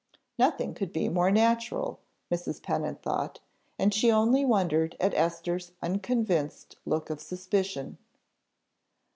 Nothing could be more natural, Mrs. Pennant thought, and she only wondered at Esther's unconvinced look of suspicion.